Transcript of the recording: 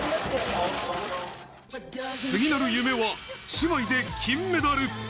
次なる夢は、姉妹で金メダル。